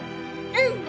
うん。